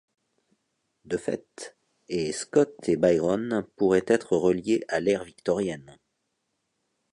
De fait, et Scott et Byron pourraient être reliés à l'ère victorienne.